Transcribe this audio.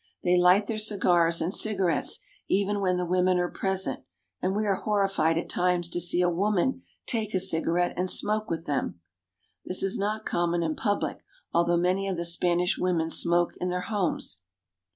They light their cigars and cigarettes even when the women are present, and we are horrified at times to see a woman take a cigarette and smoke with them. This is not common in public, although many of the Span ish women smoke in their homes.